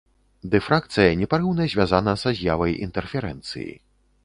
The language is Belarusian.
Дыфракцыя непарыўна звязана са з'явай інтэрферэнцыі.